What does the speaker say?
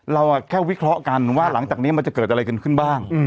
เราแค่วิเคราะห์กันว่าหลังจากนี้มันจะเกิดอะไรกันขึ้นบ้าง